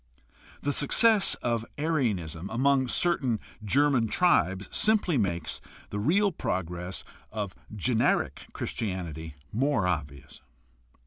The success of Arianism among certain German tribes simply makes the real progress of generic Christianity more obvious.